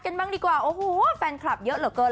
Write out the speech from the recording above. บ้างดีกว่าโอ้โหแฟนคลับเยอะเหลือเกิน